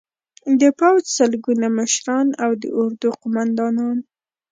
د پوځ سلګونه مشران او د اردو قومندانان